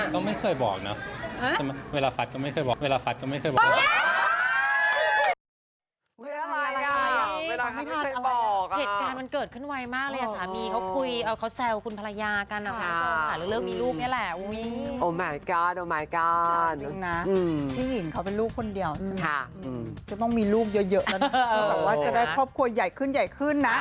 ก็ไม่เคยบอกนะเวลาฟัดก็ไม่เคยบอก